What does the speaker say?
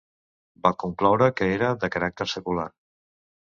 Va concloure que era de caràcter secular.